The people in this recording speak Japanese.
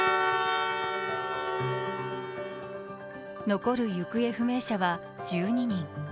残る行方不明者は１２人。